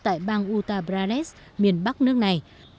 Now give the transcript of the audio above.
tại bang uttar pradesh miền bắc nước này